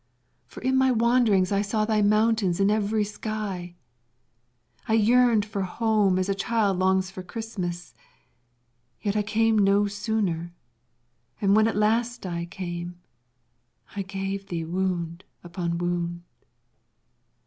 for in my wanderings I saw thy mountains in every sky, I yearned for home as a child longs for Christmas, yet I came no sooner, and when at last I came I gave thee wound upon wound.